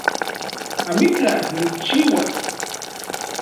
Amitlaj nikchiuas